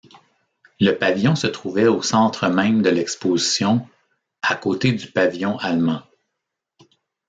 Le pavillon se trouvait au centre même de l'exposition, à côté du pavillon allemand.